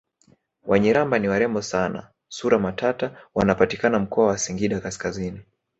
Wanyiramba ni warembo sana sura matata wanapatikana mkoa wa singida kaskazini